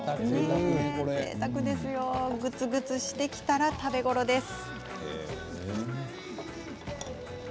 ぐつぐつしてきたら食べ頃です。